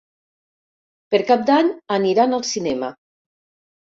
Per Cap d'Any aniran al cinema.